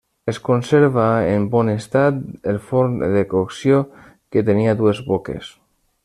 Es conserva en bon estat el forn de cocció, que tenia dues boques.